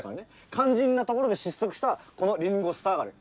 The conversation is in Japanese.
肝心なところで失速したこのリンゴスターが悪い。